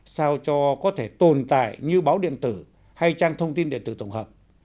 sao cho có thể tồn tại như báo điện tử hay trang thông tin điện tử tổng hợp